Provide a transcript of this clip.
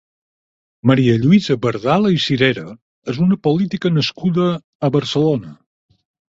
Maria Lluïsa Berdala i Cirera és una política nascuda a Barcelona.